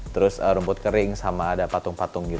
terus rumput kering sama ada patung patung gitu